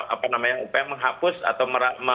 apa namanya menghapus atau